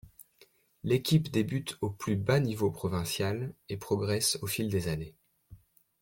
L'équipe débute au plus bas niveau provincial, et progresse au fil des années.